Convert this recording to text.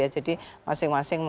jadi masing masing mengambil